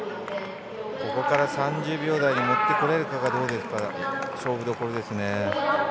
ここから３０秒台に持ってこれるかどうか勝負どころです。